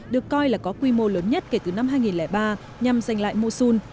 được coi là có quy mô lớn nhất kể từ năm hai nghìn ba nhằm giành lại mosun